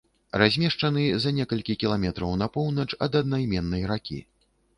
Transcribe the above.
Размешчаны за некалькі кіламетраў на поўнач ад аднайменнай ракі.